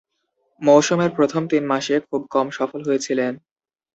মৌসুমের প্রথম তিন মাসে খুব কম সফল হয়েছিলেন।